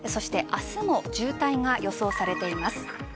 明日も渋滞が予想されています。